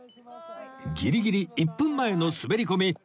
ギリギリ１分前の滑り込み